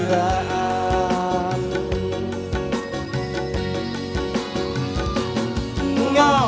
rapat dengan ku